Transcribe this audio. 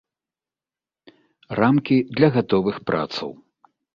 Рамкі для гатовых працаў.